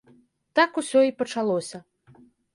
Так усё і пачалося.